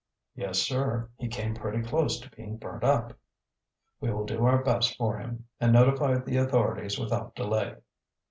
"Yes, sir. He came pretty close to being burnt up." "We will do our best for him, and notify the authorities without delay."